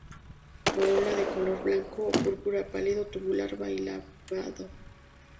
Corola de color blanco o púrpura pálido, tubular, bilabiado.